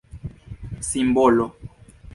simbolo